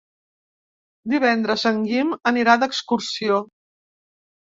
Divendres en Guim anirà d'excursió.